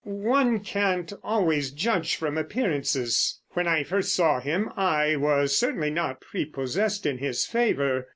"One can't always judge from appearances. When I first saw him I was certainly not prepossessed in his favour.